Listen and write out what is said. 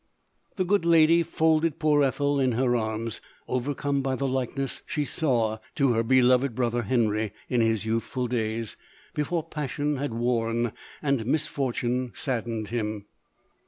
The good lady folded poor Ethel in her arms, overcome by the likeness she saw to her beloved brother Henry, in his youthful days, before passion had worn and misfortune saddened him.